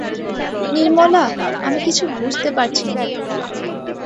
নির্মলা, আমি কিছু বুঝতে পারছি নে।